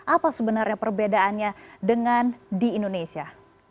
apa sebenarnya perbedaannya dengan di indonesia